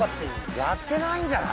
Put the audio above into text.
やってないんじゃない？